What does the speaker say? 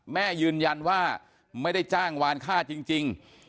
แม่ยืนยันว่าไม่ได้จ้างวานค่าจริง